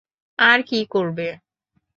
আর কী করবে?